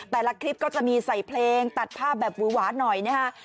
แต่ละคลิปก็จะมีใส่เพลงตัดภาพแบบหวือหวาหน่อยนะฮะ